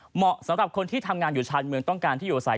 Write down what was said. เหมาะสำหรับคนที่ทำงานอยู่ชานเมืองต้องการที่อยู่อาศัย